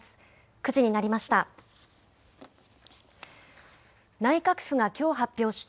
９時になりました。